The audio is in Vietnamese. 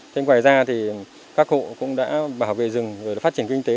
thế ngoài ra thì các hộ cũng đã bảo vệ rừng phát triển kinh tế